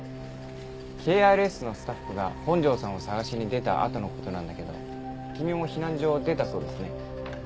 ＫＲＳのスタッフが本庄さんを捜しに出たあとの事なんだけど君も避難所を出たそうですね。